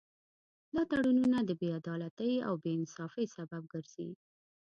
دا تړونونه د بې عدالتۍ او بې انصافۍ سبب ګرځي